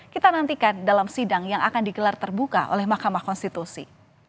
kita nantikan dalam sidang yang akan digelar terbuka oleh mahkamah konstitusi